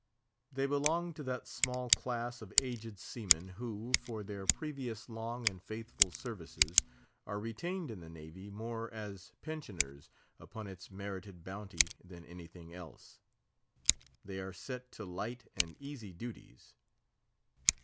They belonged to that small class of aged seamen who, for their previous long and faithful services, are retained in the Navy more as pensioners upon its merited bounty than anything else. They are set to light and easy duties.